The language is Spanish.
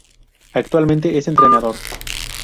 Actualmente en es entrenador.